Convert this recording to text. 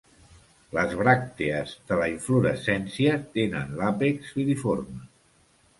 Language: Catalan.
Les bràctees de la inflorescència tenen l'àpex filiforme.